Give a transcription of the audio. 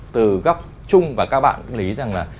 từ góc chung và các bạn cũng lý rằng là